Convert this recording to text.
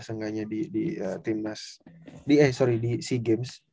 seenggaknya di c games